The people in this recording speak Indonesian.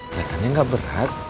lihatannya gak berat